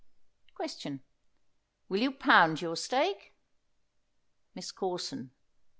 Question. Will you pound your steak? MISS CORSON.